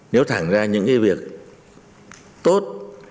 nếu thẳng ra những cái việc tốt